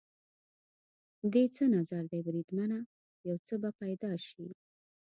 دې څه نظر دی بریدمنه؟ یو څه به پیدا شي.